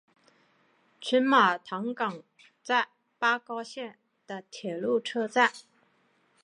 群马藤冈站八高线的铁路车站。